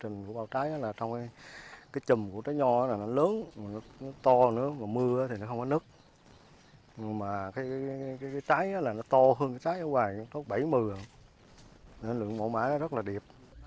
nó to hơn cái trái ở ngoài nó có bảy mươi nên lượng mẫu mái nó rất là đẹp